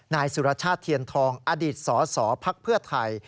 นายสุรชาติเทียนทองอดิษฐ์สอสอพรรคเพื่อไทย